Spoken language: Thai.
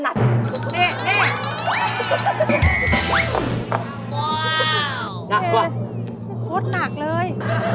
หนักว่าเอ๊ะเท่านั้นโคตรหนักเลย